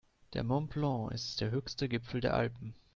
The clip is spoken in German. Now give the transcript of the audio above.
Der Mont Blanc ist der höchste Gipfel der Alpen.